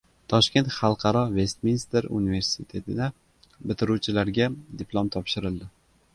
Toshkent Xalqaro Vestminster universitetida bitiruvchilarga diplom topshirildi